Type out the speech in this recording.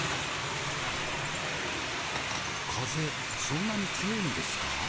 そんなに強いんですか？